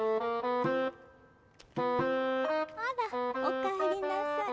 あらお帰りなさい。